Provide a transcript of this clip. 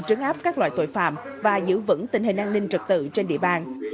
trấn áp các loại tội phạm và giữ vững tình hình an ninh trật tự trên địa bàn